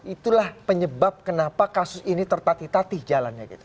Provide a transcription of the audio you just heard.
itulah penyebab kenapa kasus ini tertatih tatih jalannya gitu